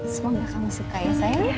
semoga kamu suka ya sayang